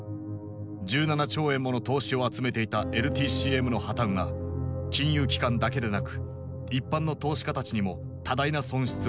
１７兆円もの投資を集めていたＬＴＣＭの破綻は金融機関だけなく一般の投資家たちにも多大な損失をもたらした。